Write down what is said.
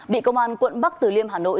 bị công an quận bắc từ liêm hà nội